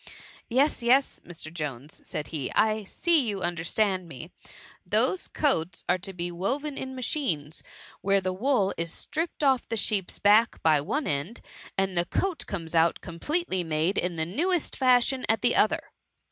Yes, yes, Mr. Jones,'* said he ; "I see you understand me. The coats are to be those THE MUMMY. 171 woven in machines, where the wool is stripped off the sheep's back by one end, and the coat comes out completely made, in the newest fashion, at the other.